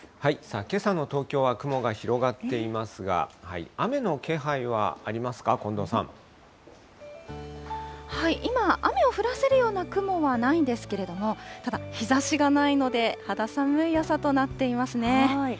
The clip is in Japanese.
けさの東京は雲が広がっていますが、今、雨を降らせるような雲はないんですけれども、ただ、日ざしがないので、肌寒い朝となっていますね。